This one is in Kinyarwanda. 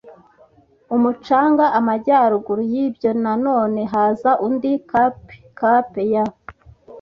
umucanga. Amajyaruguru yibyo, na none, haza undi cape - Cape ya